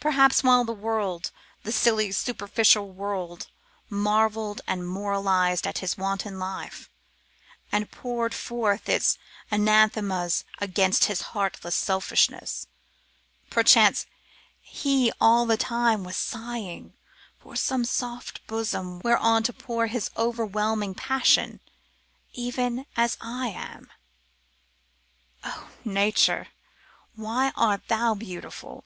Perhaps while the world, the silly, superficial world, marvelled and moralised at his wanton life, and poured forth its anathemas against his heartless selfishness, perchance he all the time was sighing for some soft bosom whereon to pour his overwhelming passion, even as I am! 'O Nature! why art thou beautiful?